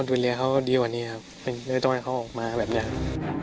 ดูแลเขาดีกว่านี้ครับเลยต้องให้เขาออกมาแบบนี้ครับ